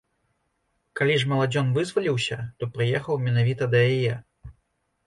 Калі ж маладзён вызваліўся, то прыехаў менавіта да яе.